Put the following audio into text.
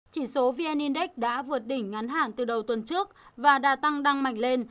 chỉ số vn index đã vượt đỉnh ngắn hẳn từ đầu tuần trước và đã tăng đăng mạnh lên